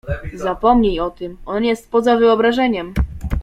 "Zapomnij o tym. On jest poza wyobrażeniem."